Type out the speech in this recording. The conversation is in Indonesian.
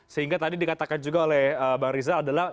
sehingga tadi dikatakan juga oleh bang riza adalah